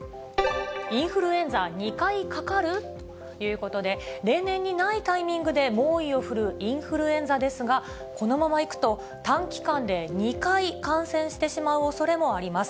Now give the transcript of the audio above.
インフルエンザ２回かかる？ということで、例年にないタイミングで猛威を振るうインフルエンザですが、このままいくと、短期間で２回感染してしまうおそれもあります。